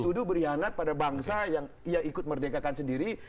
tuduh berkhianat pada bangsa yang ia ikut merdekakan sendiri